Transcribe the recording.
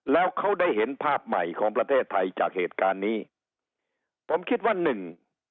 แล้วเขาได้เห็นภาพใหม่ของประเทศไทยจากเหตุการณ์นี้ผมคิดว่าหนึ่ง